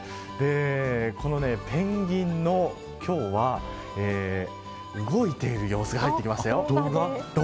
このペンギンの今日は動いている様子が入ってきましたよ。